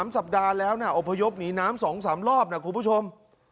สัปดาห์แล้วนะอพยพหนีน้ำ๒๓รอบนะคุณผู้ชม